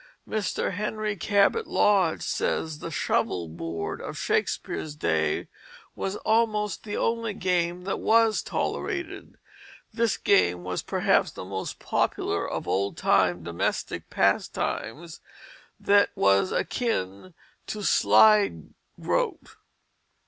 Mr. Henry Cabot Lodge says the shovel board of Shakespeare's day was almost the only game that was tolerated. This game was perhaps the most popular of old time domestic pastimes, and was akin to slide groat.